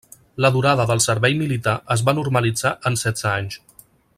La durada del servei militar es va normalitzar en setze anys.